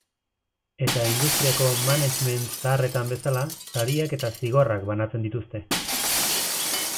Eta industriako management zaharretan bezala, sariak eta zigorrak banatzen dituzte.